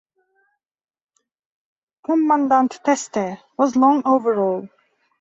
"Commandant Teste" was long overall.